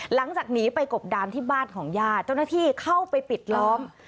หลังจากหนีไปกบดานที่บ้านของญาติเจ้าหน้าที่เข้าไปปิดล้อม